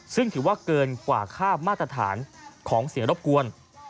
ซึ่งถือว่าเกินกว่าค่ามาตรฐานของเสียงรบกวน